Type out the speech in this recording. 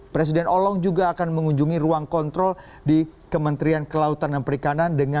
presiden olong juga akan mengunjungi ruang kontrol di kementerian kelautan dan perikanan